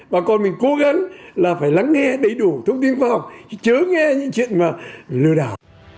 bà con mình cố gắng là phải lắng nghe đầy đủ thông tin khoa học chứ nghe những chuyện mà lừa đảo